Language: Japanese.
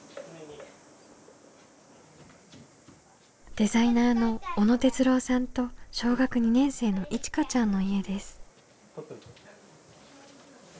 デザイナーの小野哲郎さんと小学２年生のいちかちゃんの家です。